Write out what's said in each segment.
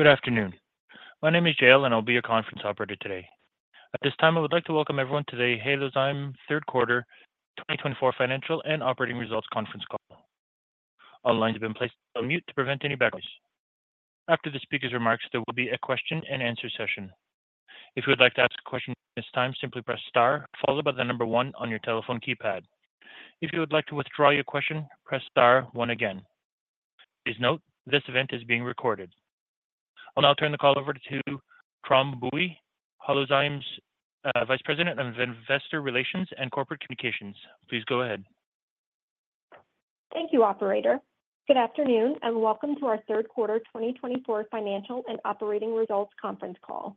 Good afternoon. My name is Jill, and I'll be your conference operator today. At this time, I would like to welcome everyone to the Halozyme Third Quarter 2024 Financial and Operating Results Conference Call. All lines have been placed on mute to prevent any background noise. After the speaker's remarks, there will be a question-and-answer session. If you would like to ask a question at this time, simply press star, followed by the number one on your telephone keypad. If you would like to withdraw your question, press star one again. Please note, this event is being recorded. I'll now turn the call over to Tram Bui, Halozyme's Vice President of Investor Relations and Corporate Communications. Please go ahead. Thank you, Operator. Good afternoon, and welcome to our Third Quarter 2024 Financial and Operating Results Conference Call.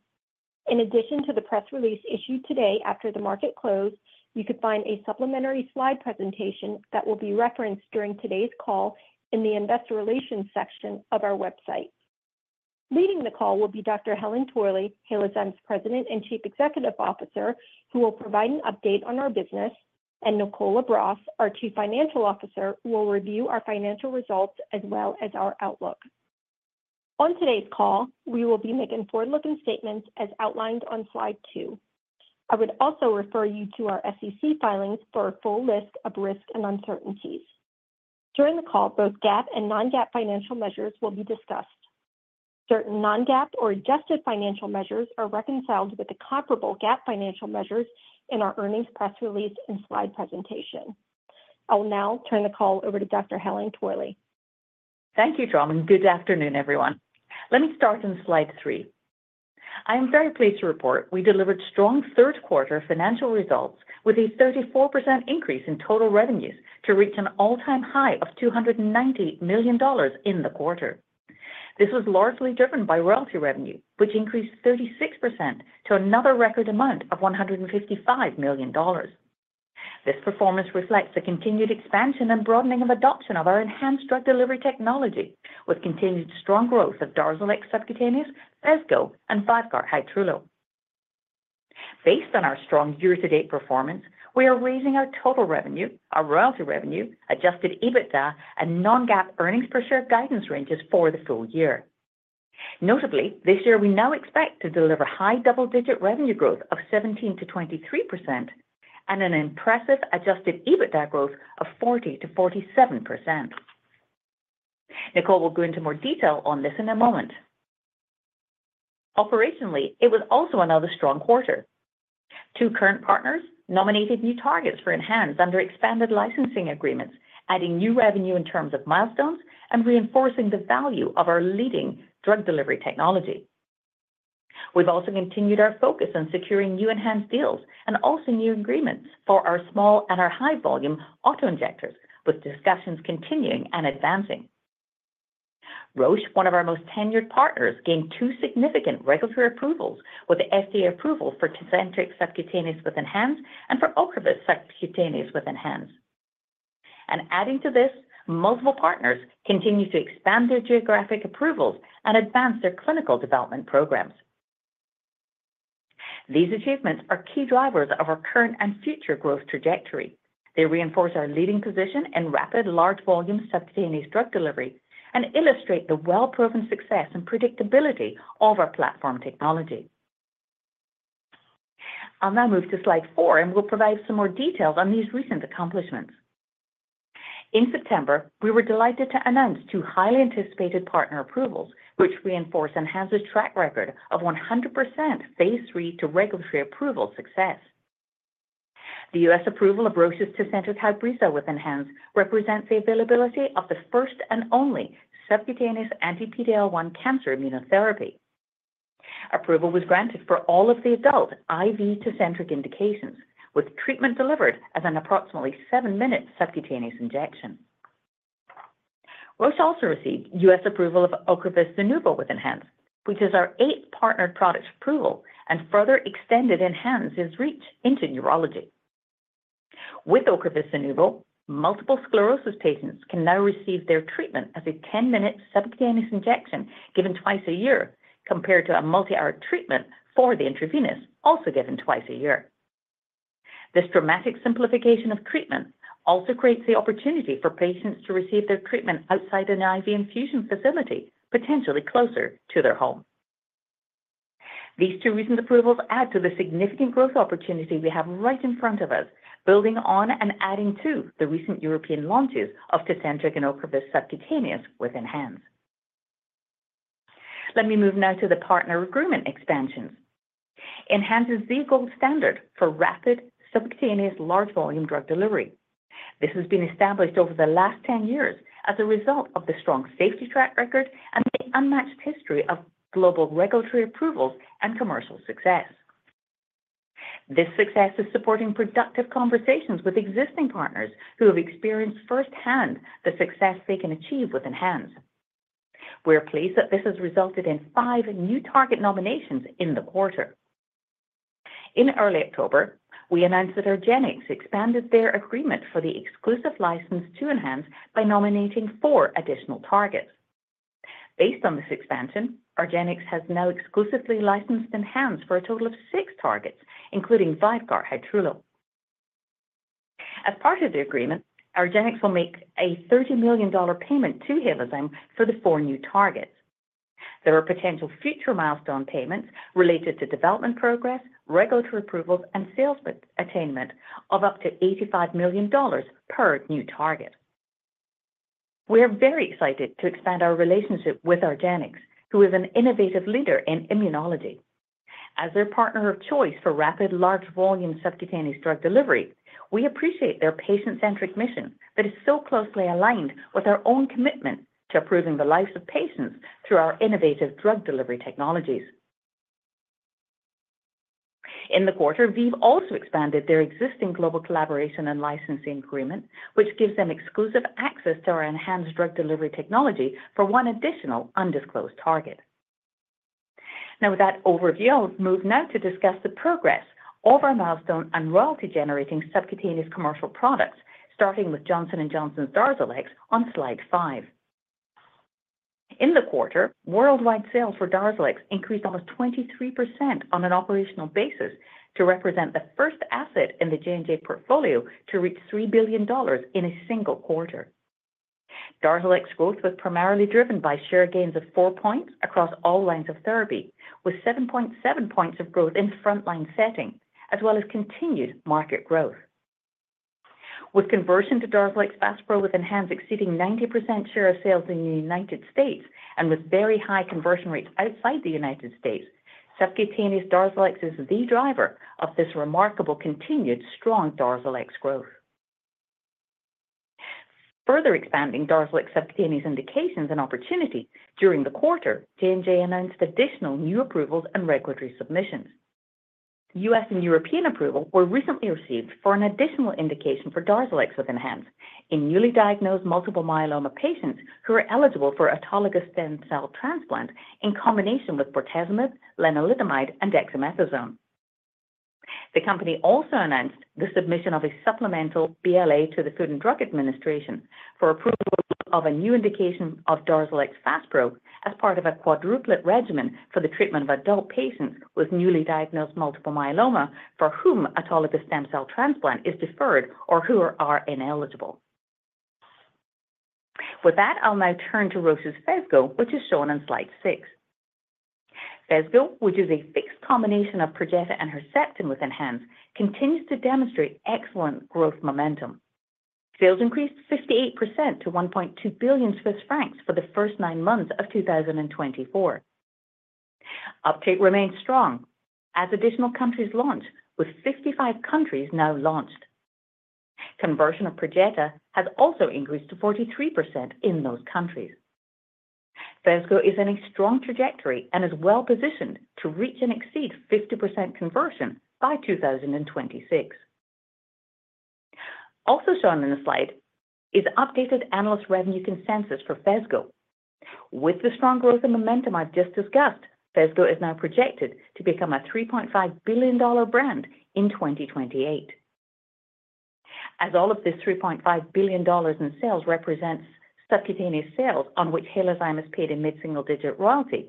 In addition to the press release issued today after the market closed, you could find a supplementary slide presentation that will be referenced during today's call in the Investor Relations section of our website. Leading the call will be Dr. Helen Torley, Halozyme's President and Chief Executive Officer, who will provide an update on our business, and Nicole LaBrosse, our Chief Financial Officer, who will review our financial results as well as our outlook. On today's call, we will be making forward-looking statements as outlined on slide two. I would also refer you to our SEC filings for a full list of risks and uncertainties. During the call, both GAAP and non-GAAP financial measures will be discussed. Certain non-GAAP or adjusted financial measures are reconciled with the comparable GAAP financial measures in our earnings press release and slide presentation. I'll now turn the call over to Dr. Helen Torley. Thank you, Tram, and good afternoon, everyone. Let me start on slide three. I am very pleased to report we delivered strong third-quarter financial results with a 34% increase in total revenues to reach an all-time high of $290 million in the quarter. This was largely driven by royalty revenue, which increased 36% to another record amount of $155 million. This performance reflects the continued expansion and broadening of adoption of our enhanced drug delivery technology, with continued strong growth of Darzalex Subcutaneous, Fesgo, and Vyvgart Hytrulo. Based on our strong year-to-date performance, we are raising our total revenue, our royalty revenue, adjusted EBITDA, and non-GAAP earnings per share guidance ranges for the full year. Notably, this year, we now expect to deliver high double-digit revenue growth of 17% to 23% and an impressive adjusted EBITDA growth of 40% to 47%. Nicole will go into more detail on this in a moment. Operationally, it was also another strong quarter. Two current partners nominated new targets for ENHANZE under expanded licensing agreements, adding new revenue in terms of milestones and reinforcing the value of our leading drug delivery technology. We've also continued our focus on securing new ENHANZE deals and also new agreements for our small and our high-volume auto injectors, with discussions continuing and advancing. Roche, one of our most tenured partners, gained two significant regulatory approvals with the FDA approval for Tecentriq Subcutaneous with ENHANZE and for Ocrevus Subcutaneous with ENHANZE. Adding to this, multiple partners continue to expand their geographic approvals and advance their clinical development programs. These achievements are key drivers of our current and future growth trajectory. They reinforce our leading position in rapid, large-volume subcutaneous drug delivery and illustrate the well-proven success and predictability of our platform technology. I'll now move to slide four, and we'll provide some more details on these recent accomplishments. In September, we were delighted to announce two highly anticipated partner approvals, which reinforce ENHANZE's track record of 100% phase three to regulatory approval success. The U.S. approval of Roche's Tecentriq Hybreza with ENHANZE represents the availability of the first and only subcutaneous anti-PD-L1 cancer immunotherapy. Approval was granted for all of the adult IV Tecentriq indications, with treatment delivered as an approximately seven-minute subcutaneous injection. Roche also received U.S. approval of Ocrevus Zunovo with ENHANZE, which is our eighth partnered product approval and further extended ENHANZE's reach into neurology. With Ocrevus Zunovo, multiple sclerosis patients can now receive their treatment as a 10-minute subcutaneous injection given twice a year, compared to a multi-hour treatment for the intravenous also given twice a year. This dramatic simplification of treatment also creates the opportunity for patients to receive their treatment outside an IV infusion facility, potentially closer to their home. These two recent approvals add to the significant growth opportunity we have right in front of us, building on and adding to the recent European launches of Tecentriq and Ocrevus subcutaneous with ENHANZE. Let me move now to the partner agreement expansions. ENHANZE is the gold standard for rapid subcutaneous large-volume drug delivery. This has been established over the last 10 years as a result of the strong safety track record and the unmatched history of global regulatory approvals and commercial success. This success is supporting productive conversations with existing partners who have experienced firsthand the success they can achieve with ENHANZE. We're pleased that this has resulted in five new target nominations in the quarter. In early October, we announced that Argenx expanded their agreement for the exclusive license to ENHANZE by nominating four additional targets. Based on this expansion, Argenx has now exclusively licensed ENHANZE for a total of six targets, including Vyvgart Hytrulo. As part of the agreement, Argenx will make a $30 million payment to Halozyme for the four new targets. There are potential future milestone payments related to development progress, regulatory approvals, and sales attainment of up to $85 million per new target. We are very excited to expand our relationship with Argenx, who is an innovative leader in immunology. As their partner of choice for rapid, large-volume subcutaneous drug delivery, we appreciate their patient-centric mission that is so closely aligned with our own commitment to improving the lives of patients through our innovative drug delivery technologies. In the quarter, we've also expanded their existing global collaboration and licensing agreement, which gives them exclusive access to our enhanced drug delivery technology for one additional undisclosed target. Now, with that overview, I'll move now to discuss the progress of our milestone and royalty-generating subcutaneous commercial products, starting with Johnson & Johnson's Darzalex on slide five. In the quarter, worldwide sales for Darzalex increased almost 23% on an operational basis to represent the first asset in the J&J portfolio to reach $3 billion in a single quarter. Darzalex growth was primarily driven by share gains of four points across all lines of therapy, with 7.7 points of growth in frontline setting, as well as continued market growth. With conversion to Darzalex Faspro with ENHANZE exceeding 90% share of sales in the United States and with very high conversion rates outside the United States, subcutaneous Darzalex is the driver of this remarkable continued strong Darzalex growth. Further expanding Darzalex subcutaneous indications and opportunity during the quarter, J&J announced additional new approvals and regulatory submissions. U.S. and European approvals were recently received for an additional indication for Darzalex with ENHANZE in newly diagnosed multiple myeloma patients who are eligible for autologous stem cell transplant in combination with bortezomib, lenalidomide, and dexamethasone. The company also announced the submission of a supplemental BLA to the Food and Drug Administration for approval of a new indication of Darzalex Faspro as part of a quadruplet regimen for the treatment of adult patients with newly diagnosed multiple myeloma for whom autologous stem cell transplant is deferred or who are ineligible. With that, I'll now turn to Roche's Fesgo, which is shown on slide six. Fesgo, which is a fixed combination of Perjeta and Herceptin with ENHANZE, continues to demonstrate excellent growth momentum. Sales increased 58% to 1.2 billion Swiss francs for the first nine months of 2024. Uptake remains strong as additional countries launch, with 55 countries now launched. Conversion of Perjeta has also increased to 43% in those countries. Fesgo is in a strong trajectory and is well positioned to reach and exceed 50% conversion by 2026. Also shown on the slide is updated analyst revenue consensus for Fesgo. With the strong growth and momentum I've just discussed, Fesgo is now projected to become a $3.5 billion brand in 2028. As all of this $3.5 billion in sales represents subcutaneous sales on which Halozyme has paid a mid-single-digit royalty,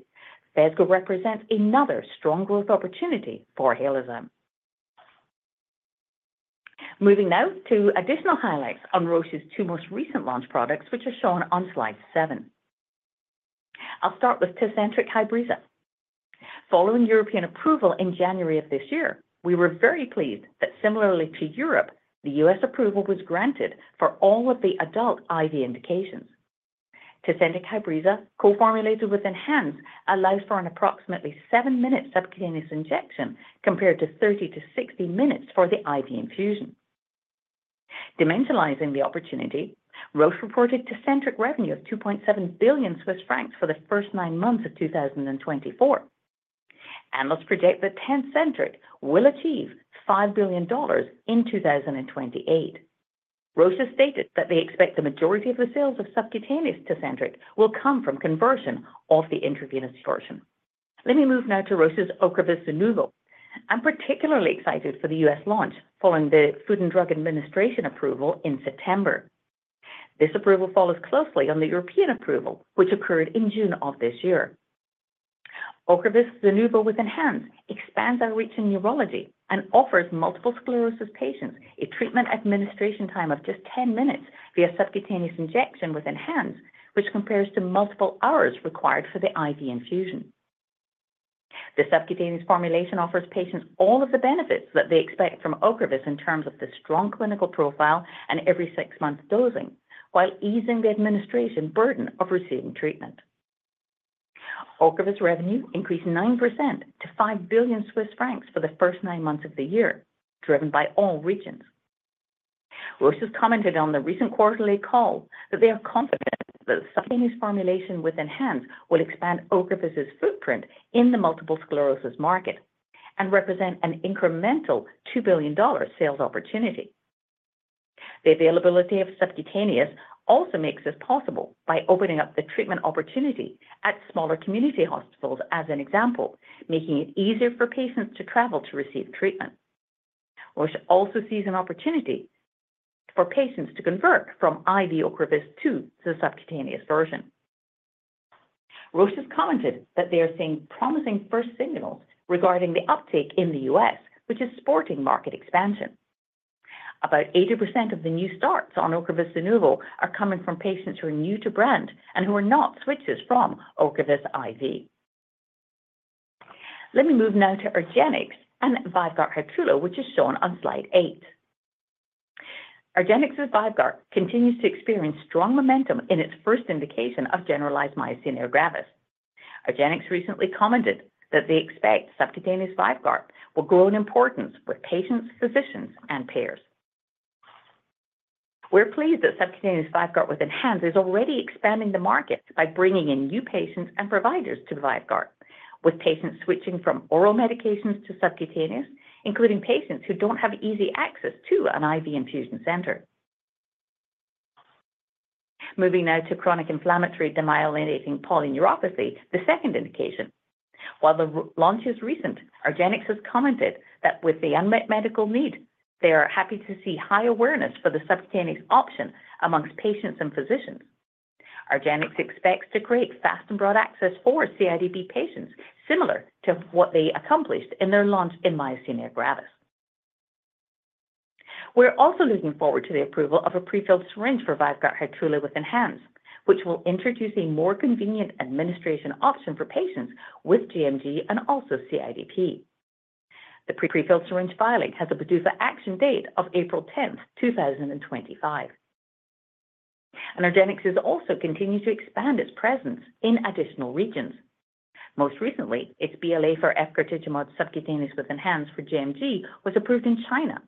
Fesgo represents another strong growth opportunity for Halozyme. Moving now to additional highlights on Roche's two most recent launch products, which are shown on slide seven. I'll start with Tecentriq Hybreza. Following European approval in January of this year, we were very pleased that, similarly to Europe, the U.S. approval was granted for all of the adult IV indications. Tecentriq Hybreza, co-formulated with ENHANZE, allows for an approximately seven-minute subcutaneous injection compared to 30 to 60 minutes for the IV infusion. Dimensionalizing the opportunity, Roche reported Tecentriq revenue of 2.7 billion Swiss francs for the first nine months of 2024. Analysts project that Tecentriq will achieve $5 billion in 2028. Roche has stated that they expect the majority of the sales of subcutaneous Tecentriq will come from conversion of the intravenous portion. Let me move now to Roche's Ocrevus Zunovo. I'm particularly excited for the U.S. launch following the Food and Drug Administration approval in September. This approval follows closely on the European approval, which occurred in June of this year. Ocrevus Zunovo with ENHANZE expands our reach in neurology and offers multiple sclerosis patients a treatment administration time of just 10 minutes via subcutaneous injection with ENHANZE, which compares to multiple hours required for the IV infusion. The subcutaneous formulation offers patients all of the benefits that they expect from Ocrevus in terms of the strong clinical profile and every six-month dosing, while easing the administration burden of receiving treatment. Ocrevus revenue increased 9% to 5 billion Swiss francs for the first nine months of the year, driven by all regions. Roche has commented on the recent quarterly call that they are confident that the subcutaneous formulation with ENHANZE will expand Ocrevus's footprint in the multiple sclerosis market and represent an incremental $2 billion sales opportunity. The availability of subcutaneous also makes this possible by opening up the treatment opportunity at smaller community hospitals as an example, making it easier for patients to travel to receive treatment. Roche also sees an opportunity for patients to convert from IV Ocrevus to the subcutaneous version. Roche has commented that they are seeing promising first signals regarding the uptake in the U.S., which is supporting market expansion. About 80% of the new starts on Ocrevus Zunovo are coming from patients who are new to brand and who are not switches from Ocrevus IV. Let me move now to Argenx and Vyvgart Hytrulo, which is shown on slide 8. Argenx's Vyvgart continues to experience strong momentum in its first indication of generalized myasthenia gravis. Argenx recently commented that they expect subcutaneous Vyvgart will grow in importance with patients, physicians, and payers. We're pleased that subcutaneous Vyvgart with ENHANZE is already expanding the market by bringing in new patients and providers to the Vyvgart, with patients switching from oral medications to subcutaneous, including patients who don't have easy access to an IV infusion center. Moving now to chronic inflammatory demyelinating polyneuropathy, the second indication. While the launch is recent, Argenx has commented that with the unmet medical need, they are happy to see high awareness for the subcutaneous option among patients and physicians. Argenx expects to create fast and broad access for CIDP patients similar to what they accomplished in their launch in myasthenia gravis. We're also looking forward to the approval of a prefilled syringe for Vyvgart Hytrulo with ENHANZE, which will introduce a more convenient administration option for patients with GMG and also CIDP. The prefilled syringe filing has a PDUFA action date of April 10th, 2025, and Argenx has also continued to expand its presence in additional regions. Most recently, its BLA for efgartigimod subcutaneous with ENHANZE for GMG was approved in China,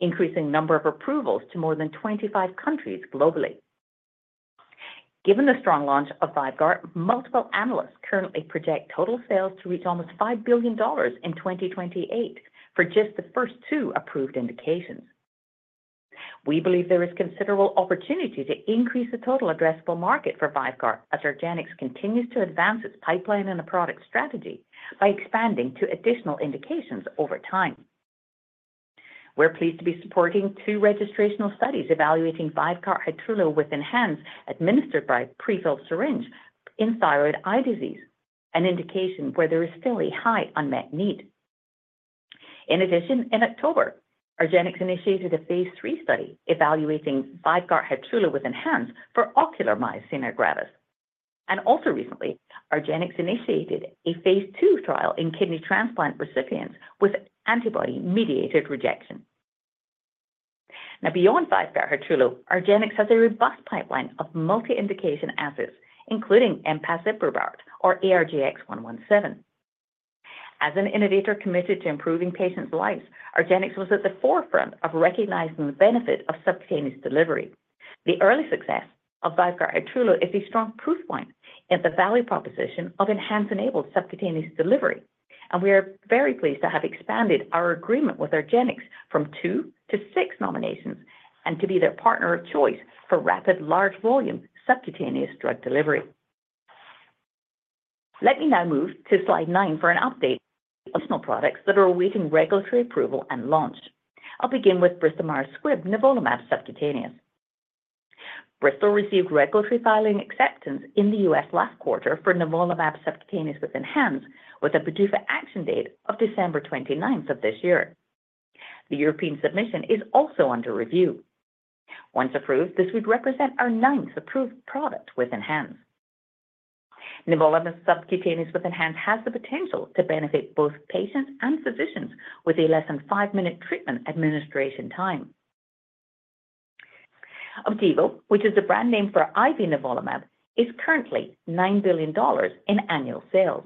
increasing the number of approvals to more than 25 countries globally. Given the strong launch of Vyvgart, multiple analysts currently project total sales to reach almost $5 billion in 2028 for just the first two approved indications. We believe there is considerable opportunity to increase the total addressable market for Vyvgart as Argenx continues to advance its pipeline and the product strategy by expanding to additional indications over time. We're pleased to be supporting two registrational studies evaluating Vyvgart Hytrulo with ENHANZE administered by prefilled syringe in thyroid eye disease, an indication where there is still a high unmet need. In addition, in October, Argenx initiated a phase three study evaluating Vyvgart Hytrulo with ENHANZE for ocular myasthenia gravis. And also recently, Argenx initiated a phase two trial in kidney transplant recipients with antibody-mediated rejection. Now, beyond Vyvgart Hytrulo, Argenx has a robust pipeline of multi-indication assets, including empasiprubart or ARGX-117. As an innovator committed to improving patients' lives, Argenx was at the forefront of recognizing the benefit of subcutaneous delivery. The early success of Vyvgart Hytrulo is a strong proof point in the value proposition of ENHANZE-enabled subcutaneous delivery, and we are very pleased to have expanded our agreement with Argenx from two to six nominations and to be their partner of choice for rapid, large-volume subcutaneous drug delivery. Let me now move to slide nine for an update on additional products that are awaiting regulatory approval and launch. I'll begin with Bristol Myers Squibb nivolumab subcutaneous. Bristol received regulatory filing acceptance in the U.S. last quarter for nivolumab subcutaneous with ENHANZE, with a PDUFA action date of December 29th of this year. The European submission is also under review. Once approved, this would represent our ninth approved product with ENHANZE. Nivolumab subcutaneous with ENHANZE has the potential to benefit both patients and physicians with a less than five-minute treatment administration time. Opdivo, which is the brand name for IV Nivolumab, is currently $9 billion in annual sales.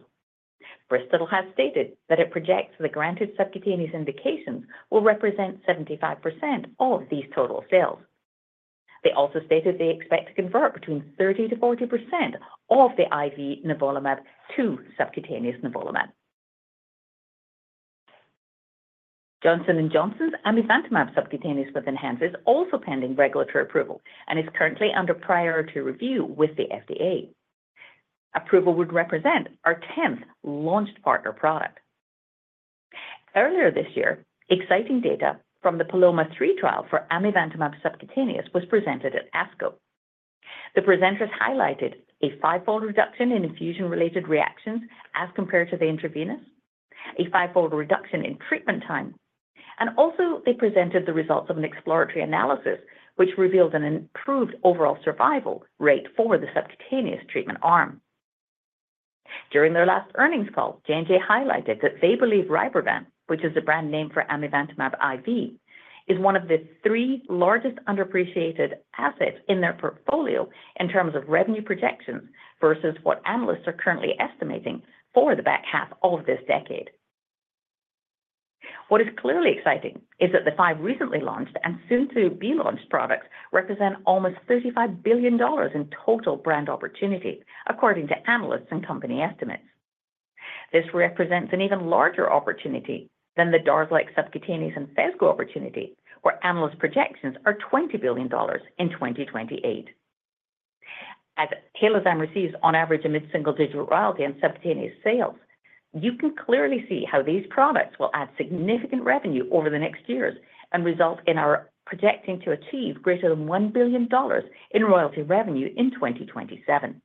Bristol has stated that it projects the granted subcutaneous indications will represent 75% of these total sales. They also stated they expect to convert between 30%-40% of the IV Nivolumab to subcutaneous Nivolumab. Johnson & Johnson's Amivantamab subcutaneous with ENHANZE is also pending regulatory approval and is currently under priority review with the FDA. Approval would represent our 10th launched partner product. Earlier this year, exciting data from the PALOMA-3 trial for Amivantamab subcutaneous was presented at ASCO. The presenters highlighted a five-fold reduction in infusion-related reactions as compared to the intravenous, a five-fold reduction in treatment time, and also they presented the results of an exploratory analysis, which revealed an improved overall survival rate for the subcutaneous treatment arm. During their last earnings call, J&J highlighted that they believe Rybrevant, which is the brand name for Amivantamab IV, is one of the three largest underappreciated assets in their portfolio in terms of revenue projections versus what analysts are currently estimating for the back half of this decade. What is clearly exciting is that the five recently launched and soon to be launched products represent almost $35 billion in total brand opportunity, according to analysts and company estimates. This represents an even larger opportunity than the Darzalex subcutaneous and Fesgo opportunity, where analyst projections are $20 billion in 2028. As Halozyme receives on average a mid-single-digit royalty on subcutaneous sales, you can clearly see how these products will add significant revenue over the next years and result in our projecting to achieve greater than $1 billion in royalty revenue in 2027.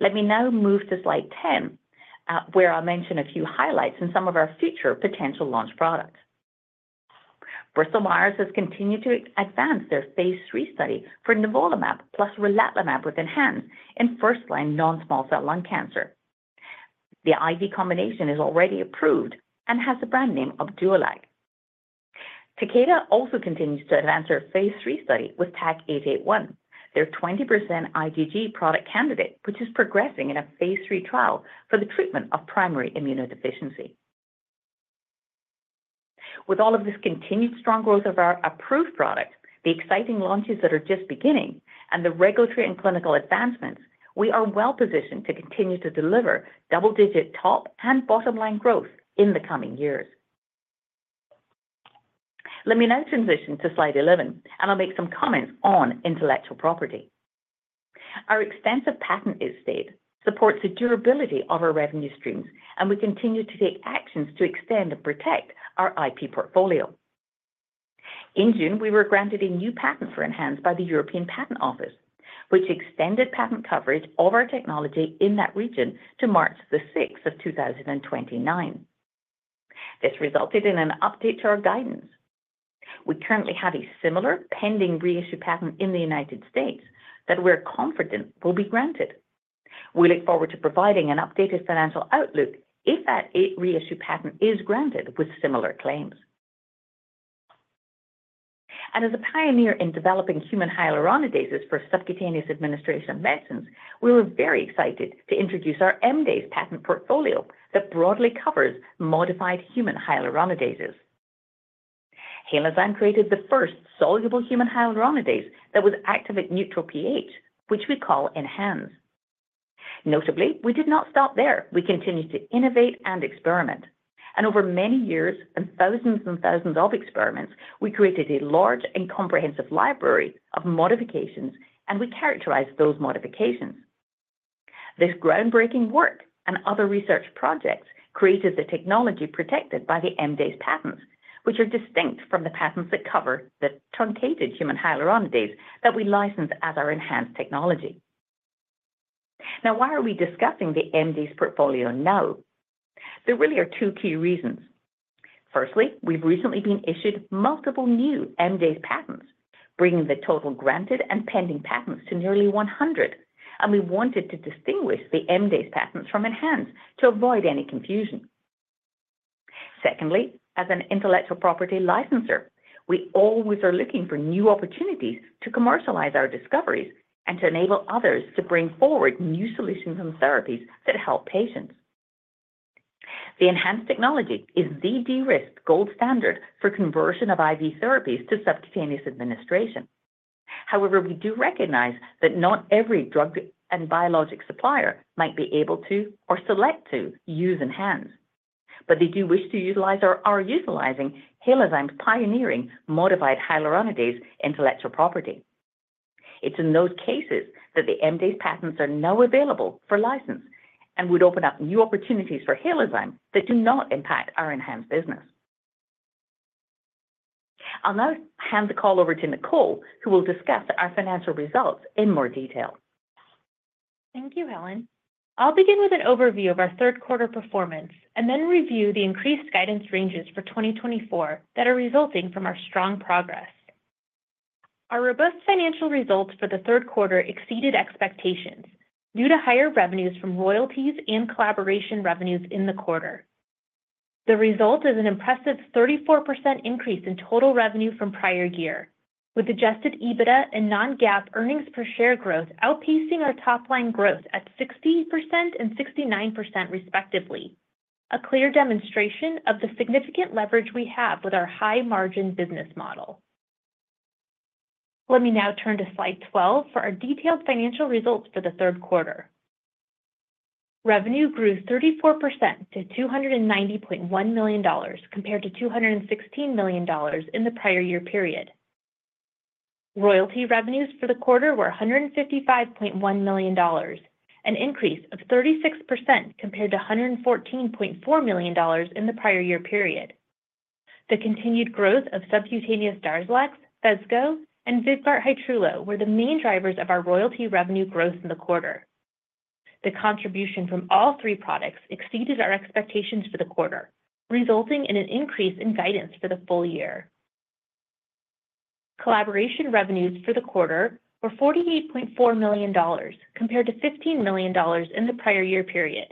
Let me now move to slide 10, where I'll mention a few highlights and some of our future potential launch products. Bristol-Myers Squibb has continued to advance their phase three study for nivolumab plus relatlimab with ENHANZE in first-line non-small cell lung cancer. The IV combination is already approved and has the brand name Opdualag. Takeda also continues to advance their phase three study with TAK-881, their 20% IgG product candidate, which is progressing in a phase three trial for the treatment of primary immunodeficiency. With all of this continued strong growth of our approved products, the exciting launches that are just beginning, and the regulatory and clinical advancements, we are well positioned to continue to deliver double-digit top and bottom-line growth in the coming years. Let me now transition to slide 11, and I'll make some comments on intellectual property. Our extensive patent estate supports the durability of our revenue streams, and we continue to take actions to extend and protect our IP portfolio. In June, we were granted a new patent for ENHANZE by the European Patent Office, which extended patent coverage of our technology in that region to March the 6th of 2029. This resulted in an update to our guidance. We currently have a similar pending reissue patent in the United States that we're confident will be granted. We look forward to providing an updated financial outlook if that reissue patent is granted with similar claims, and as a pioneer in developing human hyaluronidases for subcutaneous administration of medicines, we were very excited to introduce our MDASE patent portfolio that broadly covers modified human hyaluronidases. Halozyme created the first soluble human hyaluronidase that was active at neutral pH, which we call ENHANZE. Notably, we did not stop there. We continued to innovate and experiment, and over many years and thousands and thousands of experiments, we created a large and comprehensive library of modifications, and we characterized those modifications. This groundbreaking work and other research projects created the technology protected by the MDASE patents, which are distinct from the patents that cover the truncated human hyaluronidases that we license as our ENHANZE technology. Now, why are we discussing the MDASE portfolio now? There really are two key reasons. Firstly, we've recently been issued multiple new MDASE patents, bringing the total granted and pending patents to nearly 100, and we wanted to distinguish the MDASE patents from ENHANZE to avoid any confusion. Secondly, as an intellectual property licenser, we always are looking for new opportunities to commercialize our discoveries and to enable others to bring forward new solutions and therapies that help patients. The ENHANZE technology is the de-risk gold standard for conversion of IV therapies to subcutaneous administration. However, we do recognize that not every drug and biologic supplier might be able to or select to use ENHANZE, but they do wish to utilize or are utilizing Halozyme's pioneering modified hyaluronidases intellectual property. It's in those cases that the MDASE patents are now available for license and would open up new opportunities for Halozyme that do not impact our ENHANZE business. I'll now hand the call over to Nicole, who will discuss our financial results in more detail. Thank you, Helen. I'll begin with an overview of our third quarter performance and then review the increased guidance ranges for 2024 that are resulting from our strong progress. Our robust financial results for the third quarter exceeded expectations due to higher revenues from royalties and collaboration revenues in the quarter. The result is an impressive 34% increase in total revenue from prior year, with adjusted EBITDA and non-GAAP earnings per share growth outpacing our top-line growth at 60% and 69% respectively, a clear demonstration of the significant leverage we have with our high-margin business model. Let me now turn to slide 12 for our detailed financial results for the third quarter. Revenue grew 34% to $290.1 million compared to $216 million in the prior year period. Royalty revenues for the quarter were $155.1 million, an increase of 36% compared to $114.4 million in the prior year period. The continued growth of subcutaneous Darzalex, Fesgo, and Vyvgart Hytrulo were the main drivers of our royalty revenue growth in the quarter. The contribution from all three products exceeded our expectations for the quarter, resulting in an increase in guidance for the full year. Collaboration revenues for the quarter were $48.4 million compared to $15 million in the prior year period.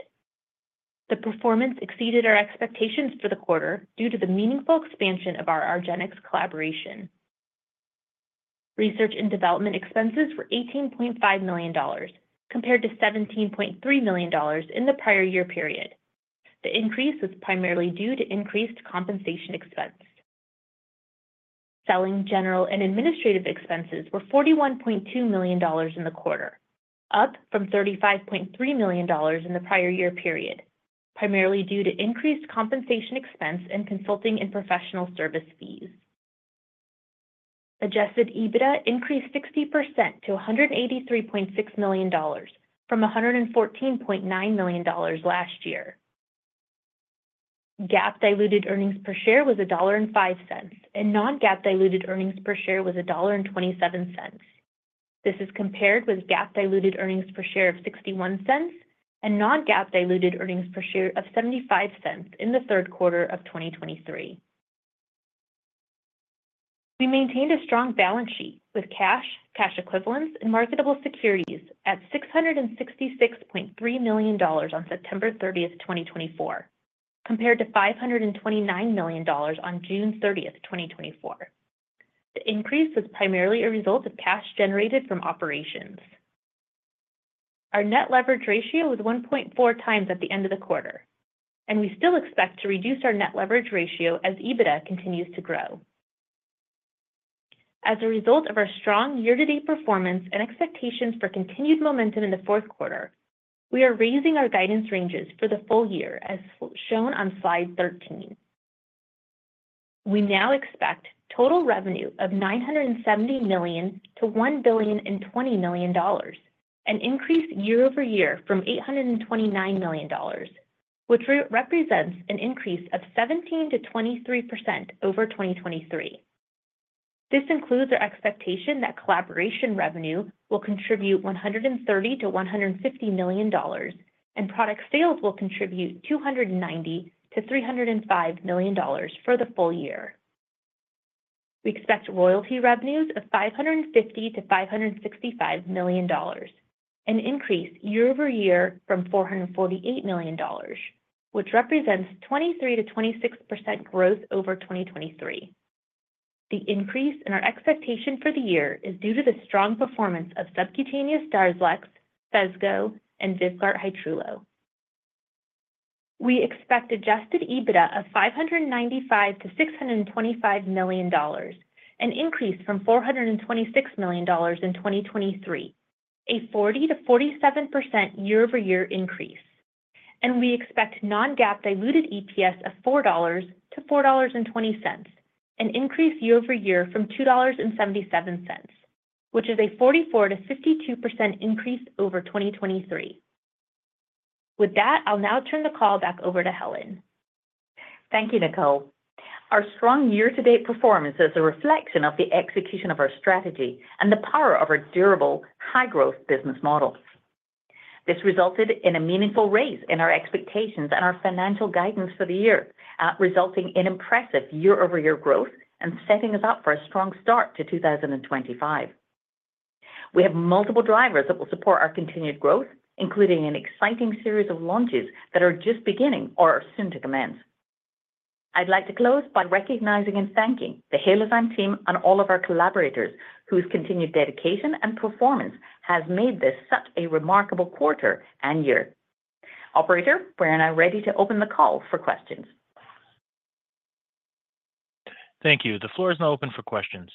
The performance exceeded our expectations for the quarter due to the meaningful expansion of our Argenx collaboration. Research and development expenses were $18.5 million compared to $17.3 million in the prior year period. The increase was primarily due to increased compensation expense. Selling general and administrative expenses were $41.2 million in the quarter, up from $35.3 million in the prior year period, primarily due to increased compensation expense and consulting and professional service fees. Adjusted EBITDA increased 60% to $183.6 million from $114.9 million last year. GAAP diluted earnings per share was $1.05, and non-GAAP diluted earnings per share was $1.27. This is compared with GAAP diluted earnings per share of $0.61 and non-GAAP diluted earnings per share of $0.75 in the third quarter of 2023. We maintained a strong balance sheet with cash, cash equivalents, and marketable securities at $666.3 million on September 30th, 2024, compared to $529 million on June 30th, 2024. The increase was primarily a result of cash generated from operations. Our net leverage ratio was 1.4x at the end of the quarter, and we still expect to reduce our net leverage ratio as EBITDA continues to grow. As a result of our strong year-to-date performance and expectations for continued momentum in the fourth quarter, we are raising our guidance ranges for the full year as shown on slide 13. We now expect total revenue of $970 million-$1,020,000,000, an increase year-over-year from $829 million, which represents an increase of 17%-23% over 2023. This includes our expectation that collaboration revenue will contribute $130 million-$150 million, and product sales will contribute $290 million-$305 million for the full year. We expect royalty revenues of $550 million-$565 million, an increase year-over-year from $448 million, which represents 23%-26% growth over 2023. The increase in our expectation for the year is due to the strong performance of subcutaneous Darzalex, Fesgo, and Vyvgart Hytrulo. We expect adjusted EBITDA of $595 million-$625 million, an increase from $426 million in 2023, a 40%-47% year-over-year increase, and we expect non-GAAP diluted EPS of $4-$4.20, an increase year-over-year from $2.77, which is a 44%-52% increase over 2023. With that, I'll now turn the call back over to Helen. Thank you, Nicole. Our strong year-to-date performance is a reflection of the execution of our strategy and the power of our durable high-growth business model. This resulted in a meaningful raise in our expectations and our financial guidance for the year, resulting in impressive year-over-year growth and setting us up for a strong start to 2025. We have multiple drivers that will support our continued growth, including an exciting series of launches that are just beginning or are soon to commence. I'd like to close by recognizing and thanking the Halozyme team and all of our collaborators, whose continued dedication and performance has made this such a remarkable quarter and year. Operator, we're now ready to open the call for questions. Thank you. The floor is now open for questions.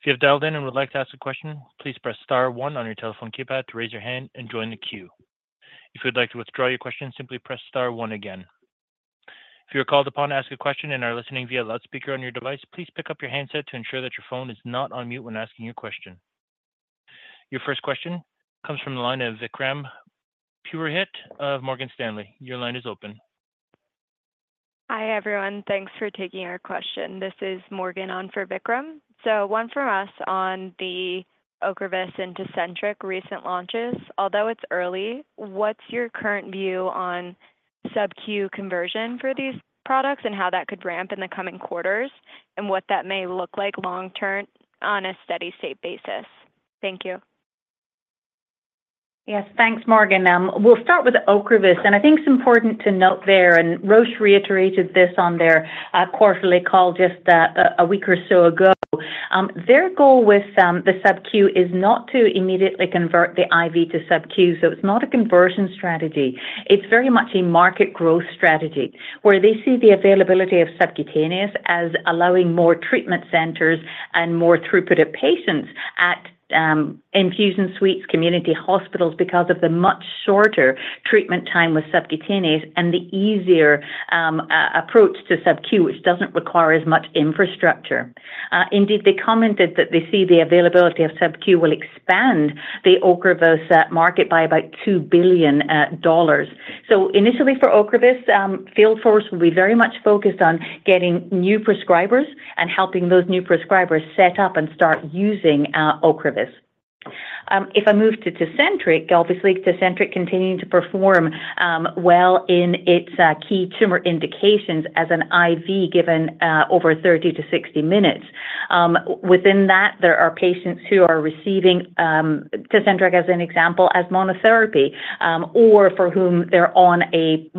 If you have dialed in and would like to ask a question, please press star one on your telephone keypad to raise your hand and join the queue. If you would like to withdraw your question, simply press star one again. If you are called upon to ask a question and are listening via loudspeaker on your device, please pick up your handset to ensure that your phone is not on mute when asking your question. Your first question comes from the line of Vikram Purohit of Morgan Stanley. Your line is open. Hi, everyone. Thanks for taking our question. This is Morgan on for Vikram. So one from us on the Ocrevus and Tecentriq recent launches. Although it's early, what's your current view on sub-Q conversion for these products and how that could ramp in the coming quarters and what that may look like long-term on a steady-state basis? Thank you. Yes, thanks, Morgan. We'll start with Ocrevus, and I think it's important to note there, and Roche reiterated this on their quarterly call just a week or so ago. Their goal with the sub-Q is not to immediately convert the IV to sub-Q, so it's not a conversion strategy. It's very much a market growth strategy where they see the availability of subcutaneous as allowing more treatment centers and more throughput of patients at infusion suites, community hospitals, because of the much shorter treatment time with subcutaneous and the easier approach to sub-Q, which doesn't require as much infrastructure. Indeed, they commented that they see the availability of sub-Q will expand the Ocrevus market by about $2 billion. So initially for Ocrevus, field force will be very much focused on getting new prescribers and helping those new prescribers set up and start using Ocrevus. If I move to Tecentriq, obviously Tecentriq continuing to perform well in its key tumor indications as an IV given over 30 to 60 minutes. Within that, there are patients who are receiving Tecentriq, as an example, as monotherapy or for whom they're on a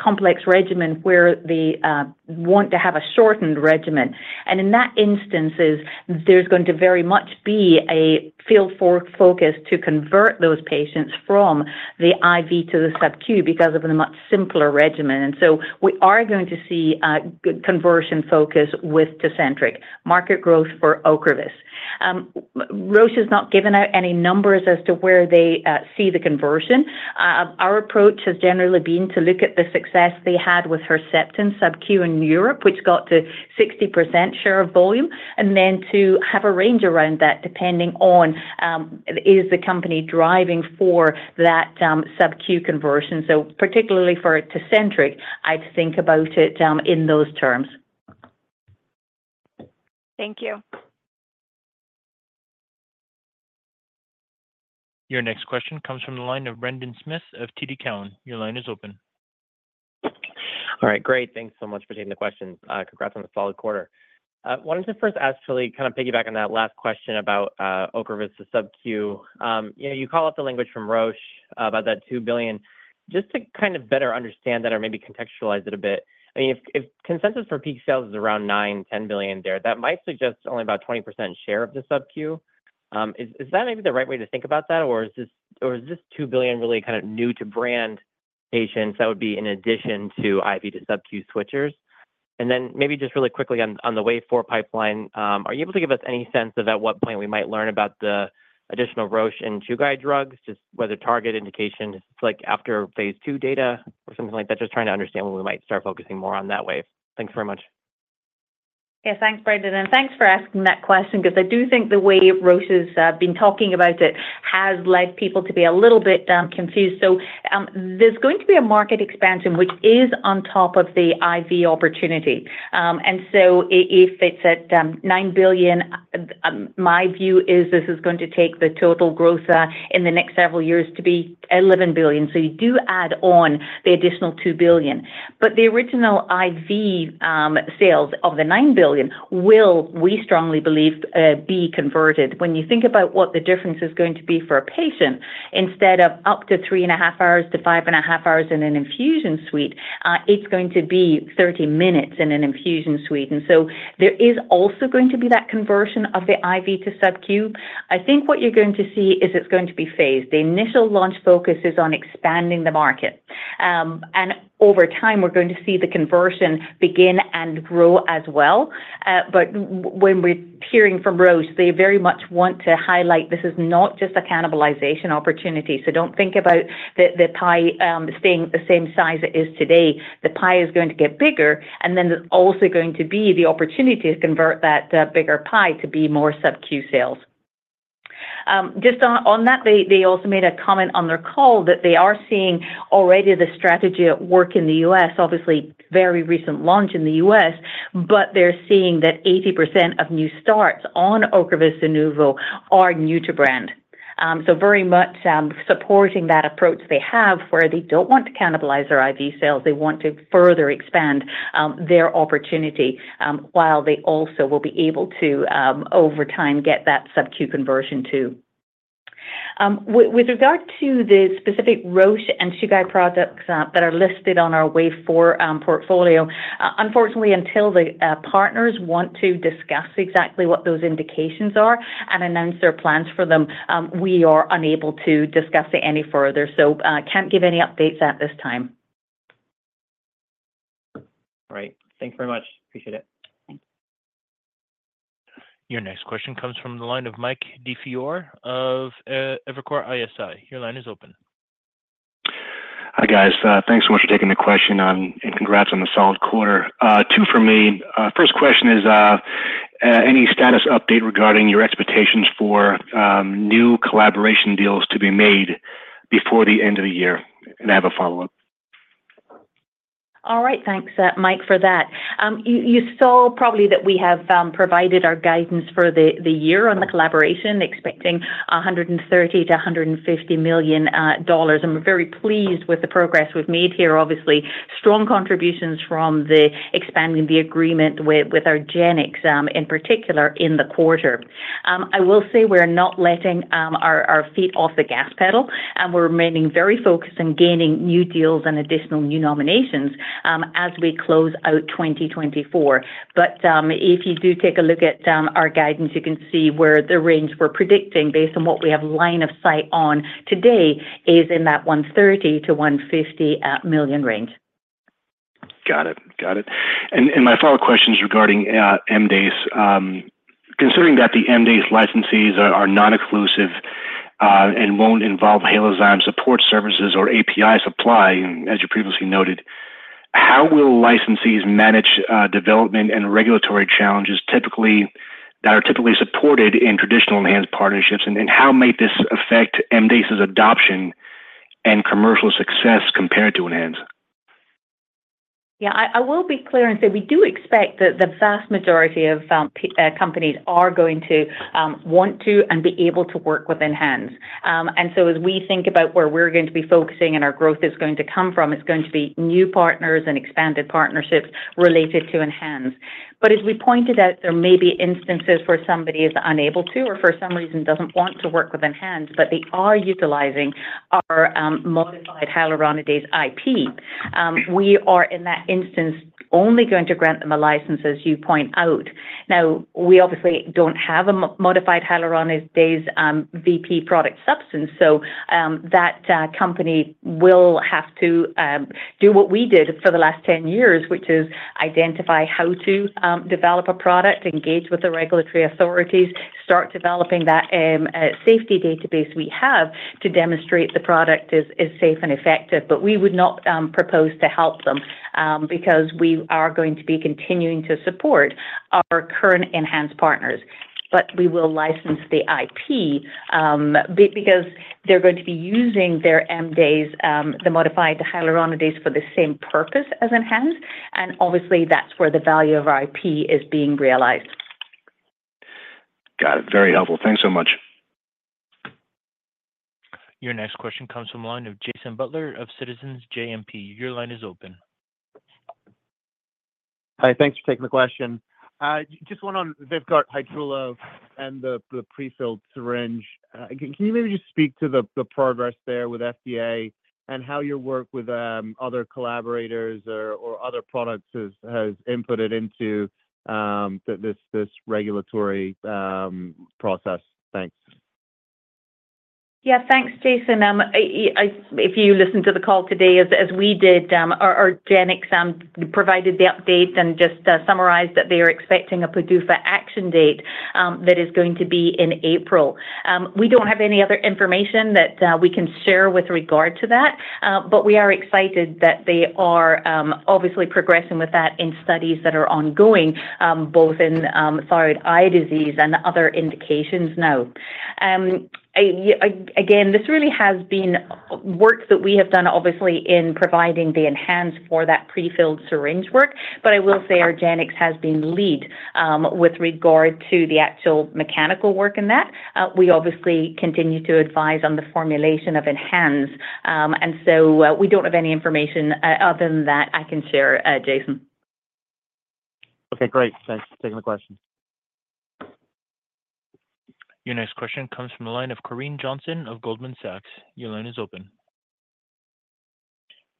complex regimen where they want to have a shortened regimen. In that instances, there's going to very much be a field force focus to convert those patients from the IV to the sub-Q because of the much simpler regimen. And so we are going to see conversion focus with Tecentriq, market growth for Ocrevus. Roche has not given out any numbers as to where they see the conversion. Our approach has generally been to look at the success they had with Herceptin sub-Q in Europe, which got to 60% share of volume, and then to have a range around that depending on is the company driving for that sub-Q conversion. So particularly for Tecentriq, I'd think about it in those terms. Thank you. Your next question comes from the line of Brendan Smith of TD Cowen. Your line is open. All right, great. Thanks so much for taking the question. Congrats on the solid quarter. I wanted to first ask to kind of piggyback on that last question about Ocrevus' subQ. You call out the language from Roche about that $2 billion. Just to kind of better understand that or maybe contextualize it a bit, I mean, if consensus for peak sales is around $9 billion-$10 billion there, that might suggest only about 20% share of the subQ. Is that maybe the right way to think about that, or is this $2 billion really kind of new-to-brand patients that would be in addition to IV to subQ switchers? And then maybe just really quickly on the way forward pipeline, are you able to give us any sense of at what point we might learn about the additional Roche and Takeda drugs, just whether target indication is after phase 2 data or something like that? Just trying to understand when we might start focusing more on that wave. Thanks very much. Yeah, thanks, Brendan, and thanks for asking that question because I do think the way Roche has been talking about it has led people to be a little bit confused. So there's going to be a market expansion, which is on top of the IV opportunity, and so if it's at $9 billion, my view is this is going to take the total growth in the next several years to be $11 billion. So you do add on the additional $2 billion, but the original IV sales of the $9 billion will, we strongly believe, be converted. When you think about what the difference is going to be for a patient, instead of up to three and a half hours to five and a half hours in an infusion suite, it's going to be 30 minutes in an infusion suite. And so there is also going to be that conversion of the IV to sub-Q. I think what you're going to see is it's going to be phased. The initial launch focus is on expanding the market. And over time, we're going to see the conversion begin and grow as well. But when we're hearing from Roche, they very much want to highlight this is not just a cannibalization opportunity. So don't think about the pie staying the same size it is today. The pie is going to get bigger, and then there's also going to be the opportunity to convert that bigger pie to be more sub-Q sales. Just on that, they also made a comment on their call that they are seeing already the strategy at work in the U.S., obviously very recent launch in the U.S., but they're seeing that 80% of new starts on Ocrevus Zunovo are new-to-brand. So very much supporting that approach they have where they don't want to cannibalize their IV sales. They want to further expand their opportunity while they also will be able to, over time, get that sub-Q conversion too. With regard to the specific Roche and Takeda products that are listed on our wave four portfolio, unfortunately, until the partners want to discuss exactly what those indications are and announce their plans for them, we are unable to discuss it any further. So can't give any updates at this time. All right. Thanks very much. Appreciate it. Thanks. Your next question comes from the line of Mike DiFiore of Evercore ISI. Your line is open. Hi, guys. Thanks so much for taking the question and congrats on the solid quarter. Two for me. First question is any status update regarding your expectations for new collaboration deals to be made before the end of the year? And I have a follow-up. All right. Thanks, Mike, for that. You saw probably that we have provided our guidance for the year on the collaboration, expecting $130 million-$150 million. And we're very pleased with the progress we've made here, obviously. Strong contributions from the expanding the agreement with our argenx in particular in the quarter. I will say we're not letting our feet off the gas pedal, and we're remaining very focused on gaining new deals and additional new nominations as we close out 2024. But if you do take a look at our guidance, you can see where the range we're predicting based on what we have line of sight on today is in that $130 million-$150 million range. Got it. Got it. And my follow-up question is regarding MDASE. Considering that the MDASE licenses are non-exclusive and won't involve Halozyme support services or API supply, as you previously noted, how will licenses manage development and regulatory challenges that are typically supported in traditional enhanced partnerships? And how might this affect MDASE's adoption and commercial success compared to enhanced? Yeah, I will be clear and say we do expect that the vast majority of companies are going to want to and be able to work with ENHANZE. And so as we think about where we're going to be focusing and our growth is going to come from, it's going to be new partners and expanded partnerships related to ENHANZE. But as we pointed out, there may be instances where somebody is unable to or for some reason doesn't want to work with ENHANZE, but they are utilizing our modified hyaluronidase IP. We are, in that instance, only going to grant them a license, as you point out. Now, we obviously don't have a modified hyaluronidase VP product substance, so that company will have to do what we did for the last 10 years, which is identify how to develop a product, engage with the regulatory authorities, start developing that safety database we have to demonstrate the product is safe and effective. But we would not propose to help them because we are going to be continuing to support our current enhanced partners. But we will license the IP because they're going to be using their MDASE, the modified hyaluronidase, for the same purpose as enhanced. And obviously, that's where the value of our IP is being realized. Got it. Very helpful. Thanks so much. Your next question comes from the line of Jason Butler of Citizens JMP. Your line is open. Hi, thanks for taking the question. Just one on Vyvgart Hytrulo and the prefilled syringe. Can you maybe just speak to the progress there with FDA and how your work with other collaborators or other products has inputted into this regulatory process? Thanks. Yeah, thanks, Jason. If you listened to the call today, as we did, our Argenx provided the update and just summarized that they are expecting a PDUFA action date that is going to be in April. We don't have any other information that we can share with regard to that, but we are excited that they are obviously progressing with that in studies that are ongoing, both in thyroid eye disease and other indications now. Again, this really has been work that we have done, obviously, in providing the ENHANZE for that prefilled syringe work. But I will say our Argenx has led with regard to the actual mechanical work in that. We obviously continue to advise on the formulation of ENHANZE. And so we don't have any information other than that I can share, Jason. Okay, great. Thanks for taking the question. Your next question comes from the line of Corinne Jenkins of Goldman Sachs. Your line is open.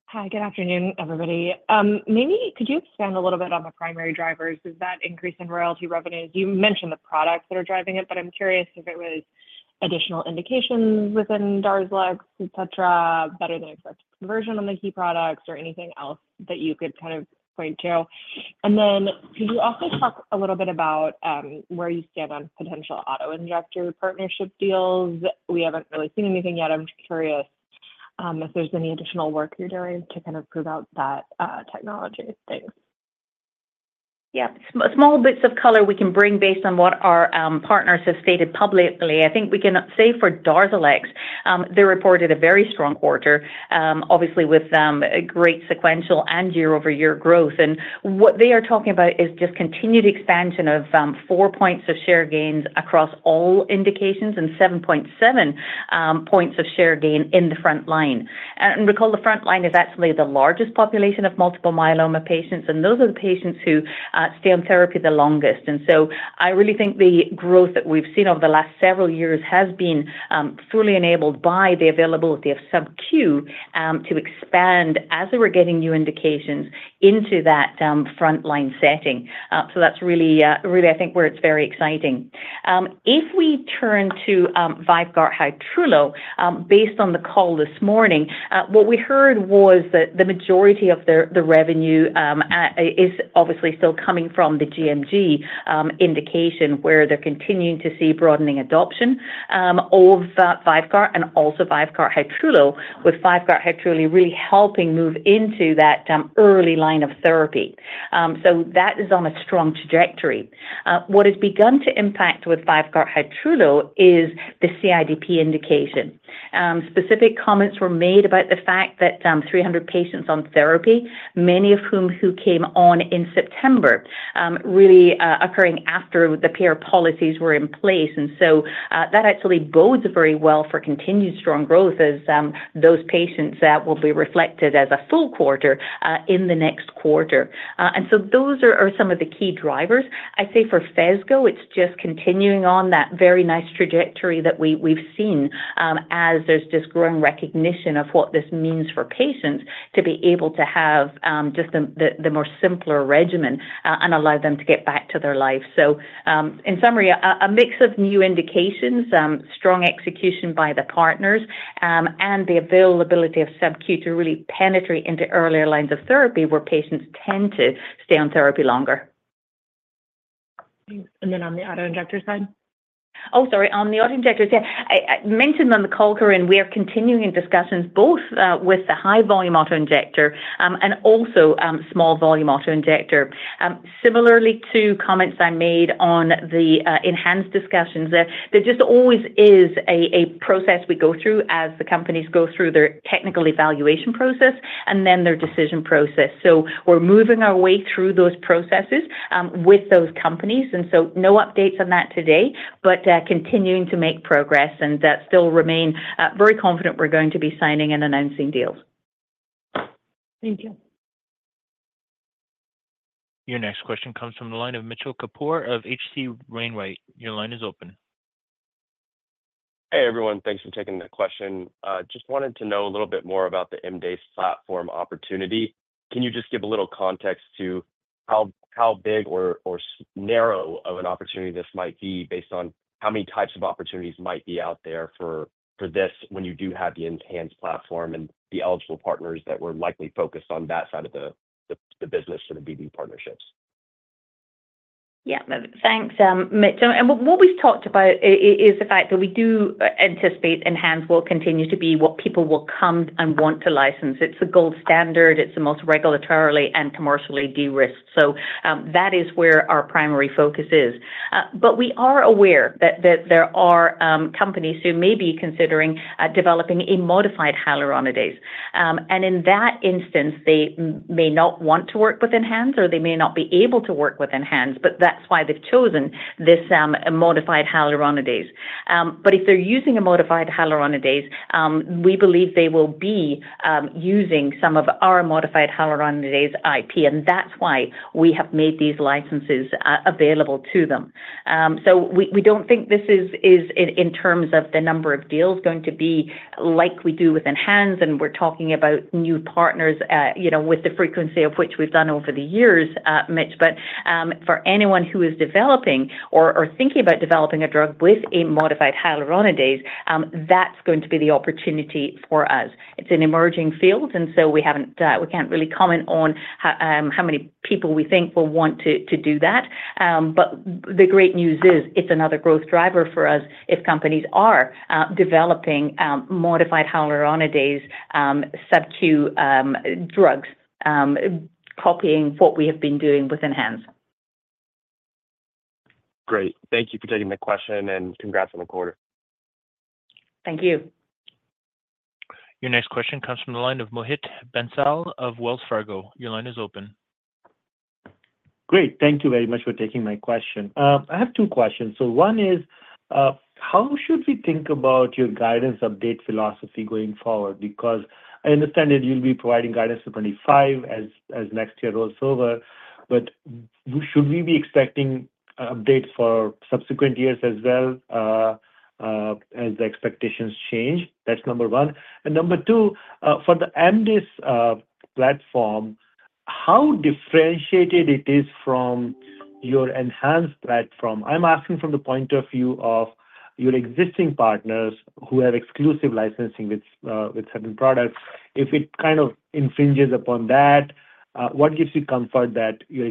Hi, good afternoon, everybody. Maybe could you expand a little bit on the primary drivers of that increase in royalty revenues? You mentioned the products that are driving it, but I'm curious if it was additional indications within Darzalex, etc., better than expected conversion on the key products, or anything else that you could kind of point to. And then could you also talk a little bit about where you stand on potential auto-injector partnership deals? We haven't really seen anything yet. I'm just curious if there's any additional work you're doing to kind of prove out that technology. Thanks. Yeah, small bits of color we can bring based on what our partners have stated publicly. I think we can say for Darzalex, they reported a very strong quarter, obviously with great sequential and year-over-year growth. And what they are talking about is just continued expansion of four points of share gains across all indications and 7.7 points of share gain in the front line. And recall, the front line is actually the largest population of multiple myeloma patients, and those are the patients who stay on therapy the longest. And so I really think the growth that we've seen over the last several years has been fully enabled by the availability of sub-Q to expand as we're getting new indications into that front line setting. So that's really, really, I think, where it's very exciting. If we turn to Vyvgart Hytrulo, based on the call this morning, what we heard was that the majority of the revenue is obviously still coming from the GMG indication where they're continuing to see broadening adoption of Vyvgart and also Vyvgart Hytrulo, with Vyvgart Hytrulo really helping move into that early line of therapy. So that is on a strong trajectory. What has begun to impact with Vyvgart Hytrulo is the CIDP indication. Specific comments were made about the fact that 300 patients on therapy, many of whom came on in September, really occurring after the payer policies were in place. And so that actually bodes very well for continued strong growth as those patients will be reflected as a full quarter in the next quarter. And so those are some of the key drivers. I'd say for Fesgo, it's just continuing on that very nice trajectory that we've seen as there's just growing recognition of what this means for patients to be able to have just the more simpler regimen and allow them to get back to their life. In summary, a mix of new indications, strong execution by the partners, and the availability of sub-Q to really penetrate into earlier lines of therapy where patients tend to stay on therapy longer. And then on the auto-injector side? Oh, sorry. On the auto-injector side, I mentioned on the call, Corinne, we are continuing discussions both with the high-volume auto-injector and also small-volume auto-injector. Similarly to comments I made on the ENHANZE discussions, there just always is a process we go through as the companies go through their technical evaluation process and then their decision process. So we're moving our way through those processes with those companies. And so no updates on that today, but continuing to make progress and still remain very confident we're going to be signing and announcing deals. Thank you. Your next question comes from the line of Mitchell Kapoor of H.C. Wainwright. Your line is open. Hey, everyone. Thanks for taking that question. Just wanted to know a little bit more about the MDASE platform opportunity. Can you just give a little context to how big or narrow of an opportunity this might be based on how many types of opportunities might be out there for this when you do have the ENHANZE platform and the eligible partners that were likely focused on that side of the business for the BD partnerships? Yeah, thanks. What we've talked about is the fact that we do anticipate ENHANZE will continue to be what people will come and want to license. It's the gold standard. It's the most regulatorily and commercially de-risked. That is where our primary focus is. We are aware that there are companies who may be considering developing a modified hyaluronidase. In that instance, they may not want to work with ENHANZE or they may not be able to work with ENHANZE, but that's why they've chosen this modified hyaluronidase. If they're using a modified hyaluronidase, we believe they will be using some of our modified hyaluronidase IP, and that's why we have made these licenses available to them. So we don't think this is, in terms of the number of deals, going to be like we do with enhanced, and we're talking about new partners with the frequency of which we've done over the years, Mitch. But for anyone who is developing or thinking about developing a drug with a modified Hyaluronidase, that's going to be the opportunity for us. It's an emerging field, and so we can't really comment on how many people we think will want to do that. But the great news is it's another growth driver for us if companies are developing modified Hyaluronidase sub-Q drugs, copying what we have been doing with enhanced. Great. Thank you for taking the question, and congrats on the quarter. Thank you. Your next question comes from the line of Mohit Bansal of Wells Fargo. Your line is open. Great. Thank you very much for taking my question. I have two questions. So one is, how should we think about your guidance update philosophy going forward? Because I understand that you'll be providing guidance for '25 as next year rolls over, but should we be expecting updates for subsequent years as well as the expectations change? That's number one. And number two, for the MDASE platform, how differentiated it is from your enhanced platform? I'm asking from the point of view of your existing partners who have exclusive licensing with certain products. If it kind of infringes upon that, what gives you comfort that your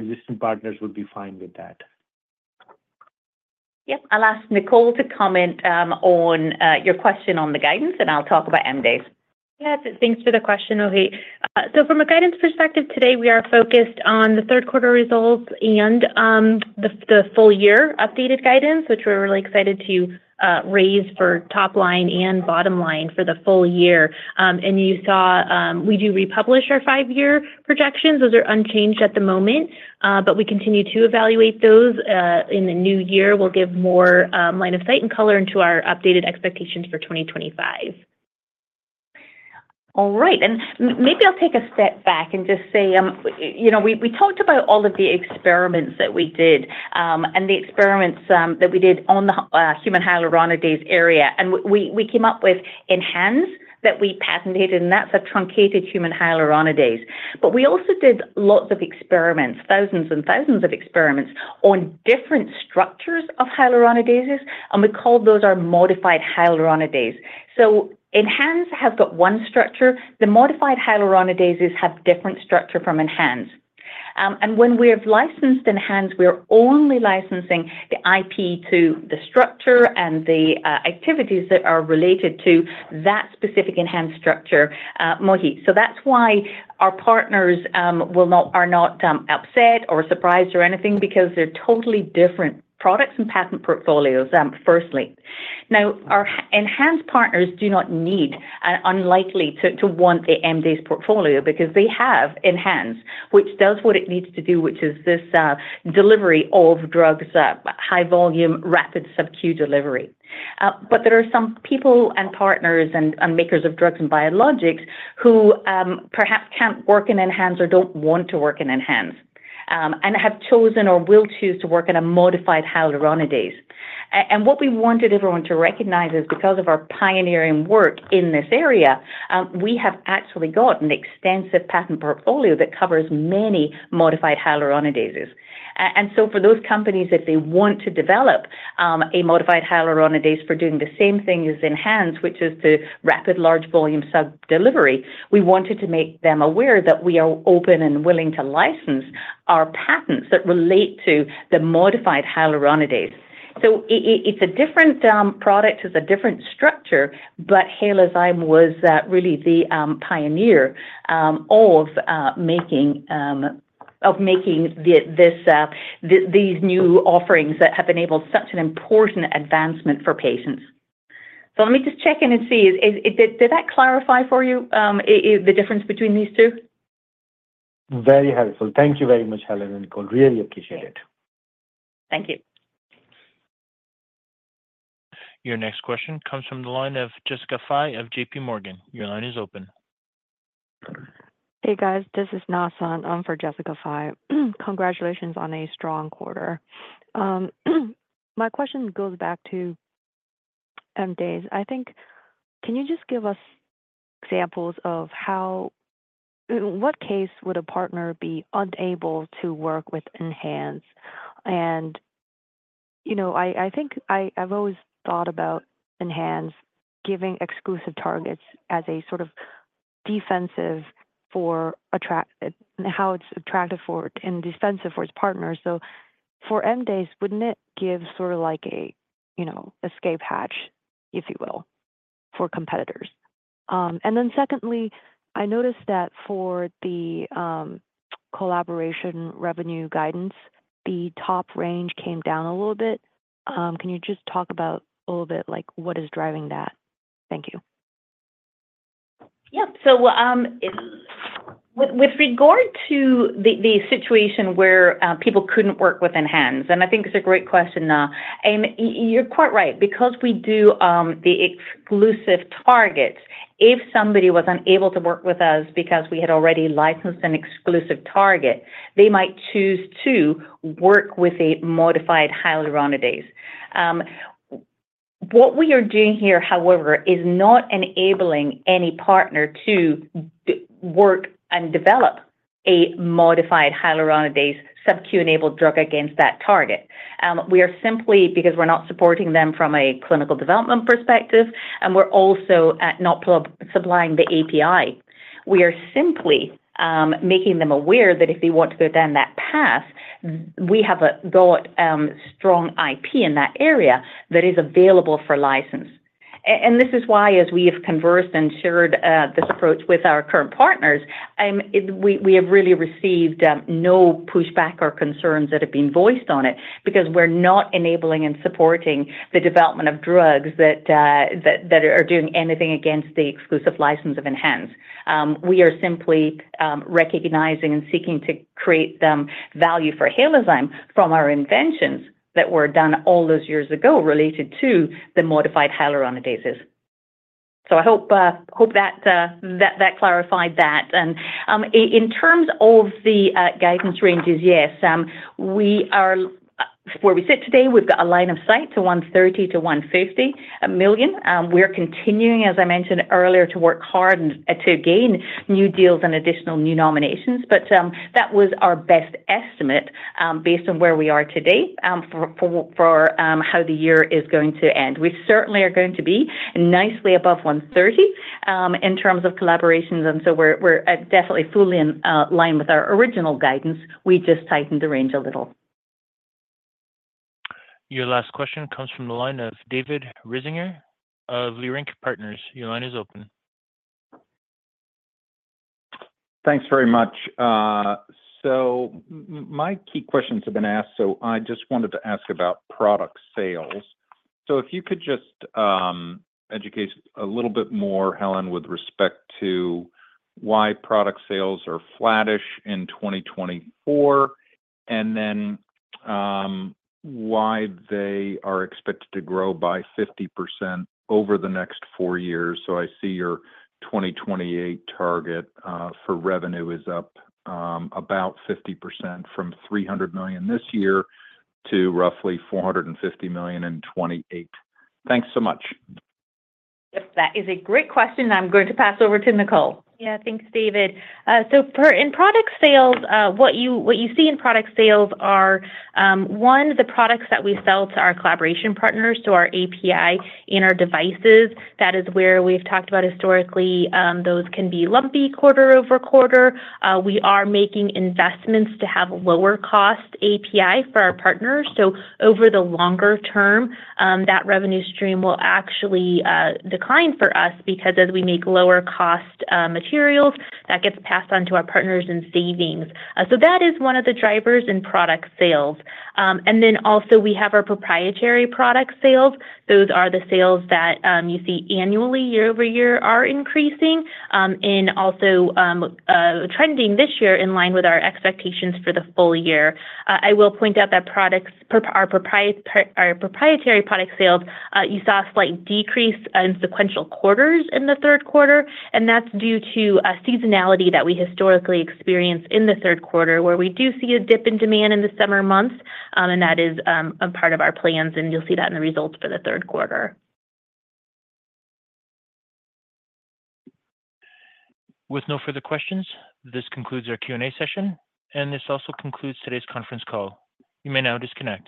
existing partners would be fine with that? Yep. I'll ask Nicole to comment on your question on the guidance, and I'll talk about MDASE. Yes. Thanks for the question, Mohit. From a guidance perspective today, we are focused on the third quarter results and the full-year updated guidance, which we're really excited to raise for top line and bottom line for the full year. And you saw we do republish our five-year projections. Those are unchanged at the moment, but we continue to evaluate those. In the new year, we'll give more line of sight and color into our updated expectations for 2025. All right. And maybe I'll take a step back and just say we talked about all of the experiments that we did and the experiments that we did on the human hyaluronidase area. And we came up with ENHANZE that we patented, and that's a truncated human hyaluronidase. But we also did lots of experiments, thousands and thousands of experiments on different structures of hyaluronidases, and we called those our modified hyaluronidase. So ENHANZE has got one structure. The modified hyaluronidases have different structure from ENHANZE. And when we have licensed ENHANZE, we are only licensing the IP to the structure and the activities that are related to that specific ENHANZE structure, Mohit. So that's why our partners are not upset or surprised or anything because they're totally different products and patent portfolios, firstly. Now, our ENHANZE partners do not need and are unlikely to want the MDASE portfolio because they have ENHANZE, which does what it needs to do, which is this delivery of drugs, high-volume, rapid subQ delivery. But there are some people and partners and makers of drugs and biologics who perhaps can't work in ENHANZE or don't want to work in ENHANZE and have chosen or will choose to work in a modified hyaluronidase. What we wanted everyone to recognize is because of our pioneering work in this area, we have actually got an extensive patent portfolio that covers many modified hyaluronidases. For those companies, if they want to develop a modified hyaluronidase for doing the same thing as ENHANZE, which is the rapid large-volume subcutaneous delivery, we wanted to make them aware that we are open and willing to license our patents that relate to the modified hyaluronidase. It's a different product. It's a different structure, but Halozyme was really the pioneer of making these new offerings that have enabled such an important advancement for patients. Let me just check in and see. Did that clarify for you the difference between these two? Very helpful. Thank you very much, Helen and Nicole. Really appreciate it. Thank you. Your next question comes from the line of Jessica Fye of JPMorgan. Your line is open. Hey, guys. This is Na Sun. I'm for Jessica Fye. Congratulations on a strong quarter. My question goes back to MDASE. I think, can you just give us examples of how in what case would a partner be unable to work with ENHANZE? And I think I've always thought about ENHANZE giving exclusive targets as a sort of defensive for how it's attractive and defensive for its partners. So for MDASE, wouldn't it give sort of like an escape hatch, if you will, for competitors? And then secondly, I noticed that for the collaboration revenue guidance, the top range came down a little bit. Can you just talk about a little bit like what is driving that? Thank you. Yep. So with regard to the situation where people couldn't work with ENHANZE, and I think it's a great question, Jason, you're quite right. Because we do the exclusive targets, if somebody was unable to work with us because we had already licensed an exclusive target, they might choose to work with a modified Hyaluronidase. What we are doing here, however, is not enabling any partner to work and develop a modified Hyaluronidase subQ-enabled drug against that target. We are simply because we're not supporting them from a clinical development perspective, and we're also not supplying the API. We are simply making them aware that if they want to go down that path, we have got strong IP in that area that is available for license. And this is why, as we have conversed and shared this approach with our current partners, we have really received no pushback or concerns that have been voiced on it because we're not enabling and supporting the development of drugs that are doing anything against the exclusive license of ENHANZE. We are simply recognizing and seeking to create value for Halozyme from our inventions that were done all those years ago related to the modified hyaluronidases. So I hope that clarified that. And in terms of the guidance ranges, yes, where we sit today, we've got a line of sight to $130 million-$150 million. We're continuing, as I mentioned earlier, to work hard and to gain new deals and additional new nominations. But that was our best estimate based on where we are today for how the year is going to end. We certainly are going to be nicely above 130 in terms of collaborations. And so we're definitely fully in line with our original guidance. We just tightened the range a little. Your last question comes from the line of David Risinger of Leerink Partners. Your line is open. Thanks very much. So my key questions have been asked. So I just wanted to ask about product sales. So if you could just educate a little bit more, Helen, with respect to why product sales are flattish in 2024 and then why they are expected to grow by 50% over the next four years. So I see your 2028 target for revenue is up about 50% from $300 million this year to roughly $450 million in 2028. Thanks so much. Yep. That is a great question. I'm going to pass over to Nicole. Yeah. Thanks, David. In product sales, what you see in product sales are one, the products that we sell to our collaboration partners, to our API and our devices. That is where we've talked about historically. Those can be lumpy quarter over quarter. We are making investments to have lower-cost API for our partners. So over the longer term, that revenue stream will actually decline for us because as we make lower-cost materials, that gets passed on to our partners in savings. So that is one of the drivers in product sales. And then also we have our proprietary product sales. Those are the sales that you see annually, year-over-year, are increasing and also trending this year in line with our expectations for the full year. I will point out that our proprietary product sales, you saw a slight decrease in sequential quarters in the third quarter, and that's due to seasonality that we historically experienced in the third quarter where we do see a dip in demand in the summer months. And that is part of our plans, and you'll see that in the results for the third quarter. With no further questions, this concludes our Q&A session, and this also concludes today's conference call. You may now disconnect.